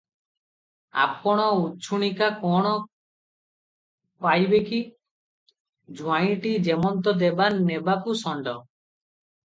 ଆପଣ ଉଛୁଣିକା କଣ ପାଇବେ କି! ଜୁଆଇଁଟି ଯେମନ୍ତ ଦେବା ନେବାକୁ ଷଣ୍ଢ ।